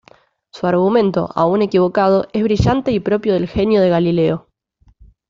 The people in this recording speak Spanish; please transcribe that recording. Su argumento, aún equivocado, es brillante y propio del genio de Galileo.